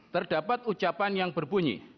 terdapat ucapan yang berbunyi